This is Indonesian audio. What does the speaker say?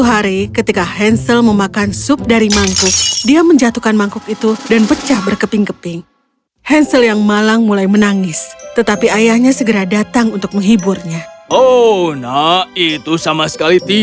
hai jack cyprian kau mau pergi ke mana hari ini